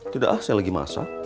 tidak ah saya lagi masak